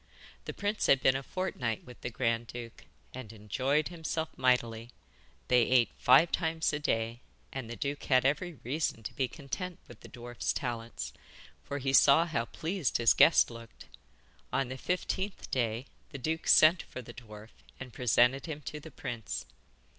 The prince had been a fortnight with the grand duke, and enjoyed himself mightily. They ate five times a day, and the duke had every reason to be content with the dwarf's talents, for he saw how pleased his guest looked. On the fifteenth day the duke sent for the dwarf and presented him to the prince.